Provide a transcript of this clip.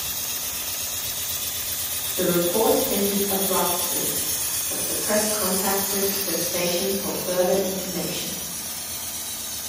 The report ended abruptly, but the press contacted the station for further information.